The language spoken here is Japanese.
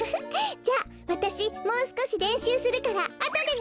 じゃあわたしもうすこしれんしゅうするからあとでね！